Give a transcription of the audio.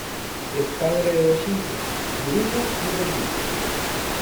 Es padre de dos hijos, Bruno y Romina.